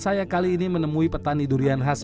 saya kali ini menemui petani durian khas